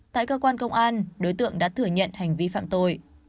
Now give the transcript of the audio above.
tại cơ quan công an đối tượng đã thừa nhận hành vi phạm tội